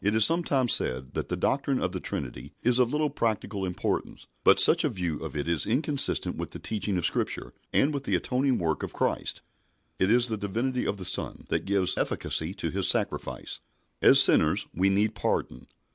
It is sometimes said that the doctrine of the Trinity is of little practical importance, but such a view of it is inconsistent with the teaching of Scripture, and with the atoning work of Christ. It is the Divinity of the Son that gives efficacy to His sacrifice. As sinners we need pardon.